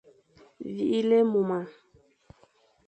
Vîle éimuma.